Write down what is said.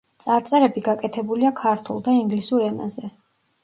წარწერები გაკეთებულია ქართულ და ინგლისურ ენაზე.